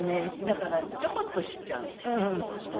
だからちょこっとしちゃうんですよ。